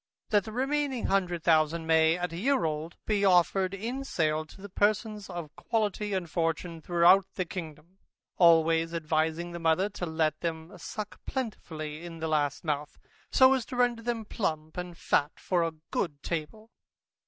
That the remaining hundred thousand may, at a year old, be offered in sale to the persons of quality and fortune, through the kingdom, always advising the mother to let them suck plentifully in the last month, so as to render them plump, and fat for a good table.